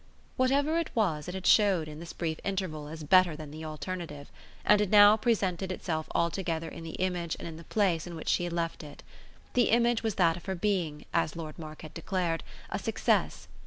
Whatever it was it had showed in this brief interval as better than the alternative; and it now presented itself altogether in the image and in the place in which she had left it. The image was that of her being, as Lord Mark had declared, a success.